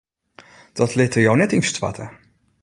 Dat litte jo net ynstoarte.